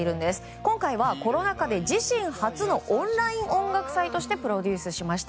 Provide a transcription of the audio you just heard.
今回はコロナ禍で自身初のオンライン音楽祭としてプロデュースしました。